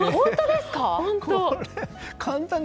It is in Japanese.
本当。